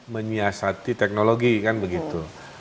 menyiasati teknologi kan begitu